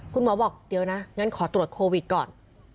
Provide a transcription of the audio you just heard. คุณหมอบอกเดี๋ยวนะงั้นขอตรวจโควิดก่อน